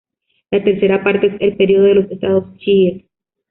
La tercera parte es el periodo de los estados chiíes.